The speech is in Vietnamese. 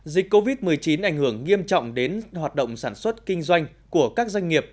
dịch covid một mươi chín ảnh hưởng nghiêm trọng đến hoạt động sản xuất kinh doanh của các doanh nghiệp